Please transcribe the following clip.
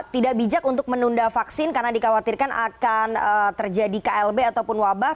tidak bijak untuk menunda vaksin karena dikhawatirkan akan terjadi klb ataupun wabah